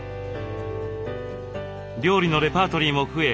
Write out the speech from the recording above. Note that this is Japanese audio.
料理のレパートリーも増え